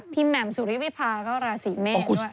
พี่แหมดสุริงศ์วิภาก็ราศีเมฆด้วย